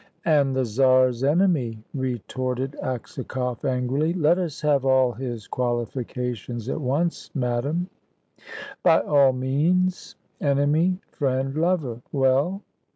"And the Czar's enemy," retorted Aksakoff angrily. "Let us have all his qualifications at once, madame." "By all means. Enemy, friend, lover. Well?"